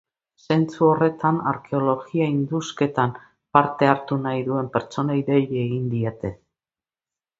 Zentzu horretan, arkeologia-indusketan parte hartu nahi duen pertsonei dei egin diete.